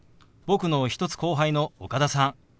僕の１つ後輩の岡田さん。